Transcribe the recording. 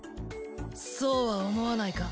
そうは思わないか？